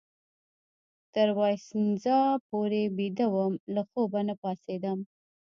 تر وایسینزا پورې بیده وم، له خوبه نه پاڅېدم.